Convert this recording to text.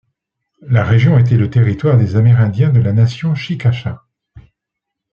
La région était le territoire des Amérindiens de la Nation Chicacha.